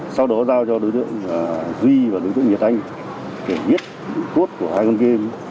sau đó giao cho đối tượng duy và đối tượng nghịa thanh để viết cốt của hai con game